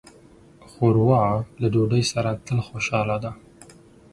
ښوروا له ډوډۍ سره تل خوشاله ده.